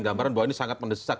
gambaran bahwa ini sangat mendesak